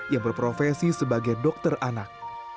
yang berprofesi sebagai dokter anak